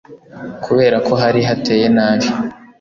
kubera ko hari hateye nabi